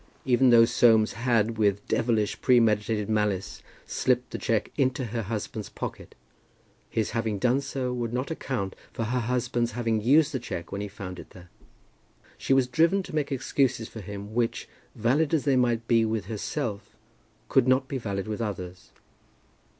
Even though Soames had, with devilish premeditated malice, slipped the cheque into her husband's pocket, his having done so would not account for her husband's having used the cheque when he found it there. She was driven to make excuses for him which, valid as they might be with herself, could not be valid with others.